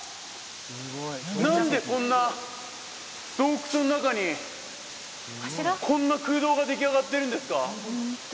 何でこんな洞窟の中にこんな空洞が出来上がってるんですか？